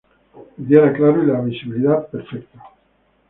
El día era claro y la visibilidad perfecta.